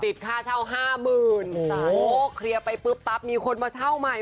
ค่าเช่าห้าหมื่นโอ้เคลียร์ไปปุ๊บปั๊บมีคนมาเช่าใหม่